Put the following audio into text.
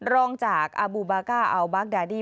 รองจากอาร์บูบาลก้าอัลบัคดาดี้